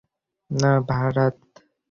না, ভারাথ।